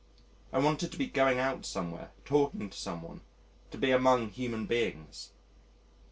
I wanted to be going out somewhere, talking to some one, to be among human beings.